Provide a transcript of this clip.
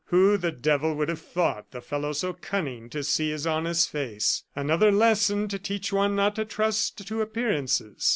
Who the devil would have thought the fellow so cunning to see his honest face? Another lesson to teach one not to trust to appearances."